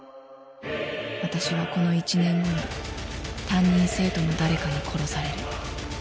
私はこの１年後に担任生徒の誰かに殺される。